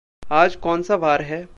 आज कौनसा वार है?